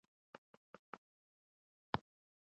د خوګیاڼیو خلک به دا ویاړ ساتي.